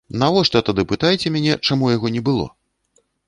Навошта тады пытаеце мяне, чаму яго не было?